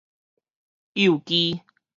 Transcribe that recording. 幼妓